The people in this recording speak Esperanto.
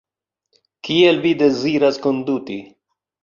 Kiel vi deziras konduti?